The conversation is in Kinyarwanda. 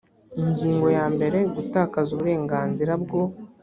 ingingo ya mbere gutakaza uburenganzira bwo